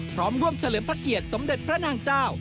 พร้อมร่วมเฉลิมพระเกียรติสมเด็จพระนางเจ้า